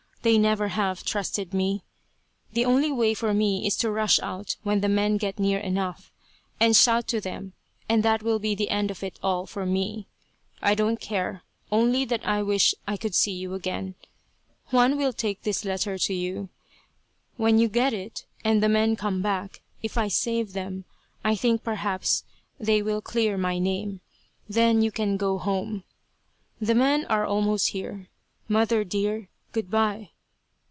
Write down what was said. They never have trusted me. The only way for me is to rush out when the men get near enough, and shout to them, and that will be the end of it all for me. I don't care, only that I wish I could see you again. Juan will take this letter to you. When you get it, and the men come back, if I save them, I think perhaps they will clear my name. Then you can go home. "The men are almost here. Mother, dear, good by.